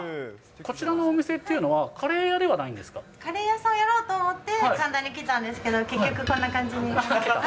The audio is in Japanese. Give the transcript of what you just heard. こちらのお店っていうのは、カレー屋さんやろうと思って、神田に来たんですけど、結局、こんな感じになって。